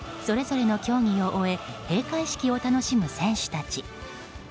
それぞれの競技を終え閉会式を楽しむ選手たち。